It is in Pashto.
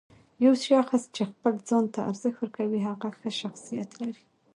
یو شخص چې خپل ځان ته ارزښت ورکوي، هغه ښه شخصیت لري.